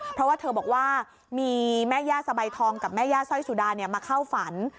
เพราะว่าเธอบอกว่ามีแม่ย่าสบายทองกับแม่ย่าสร้อยสุดามาเข้าฝัน